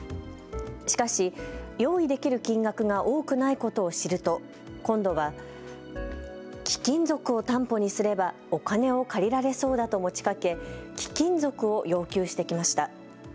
しかし用意できる金額が多くないことを知ると今度は貴金属を担保にすればお金を借りられそうだと持ちかけ貴金属を要求してきました。